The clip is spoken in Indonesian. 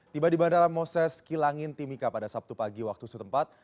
tiba di bandara moses kilangin timika pada sabtu pagi waktu setempat